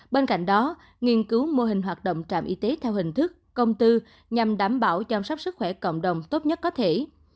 bên cạnh đó nghiên cứu mô hình hoạt động trạm y tế theo hình thức công tư nhằm đảm bảo chăm sóc sức khỏe cộng đồng tốt nhất có thể